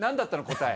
答え。